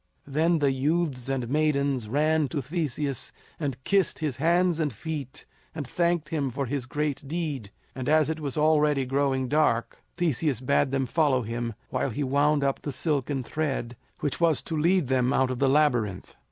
Then the youths and maidens ran to Theseus and kissed his hands and feet, and thanked him for his great deed; and, as it was already growing dark, Theseus bade them follow him while he wound up the silken thread which was to lead them out of the Labyrinth.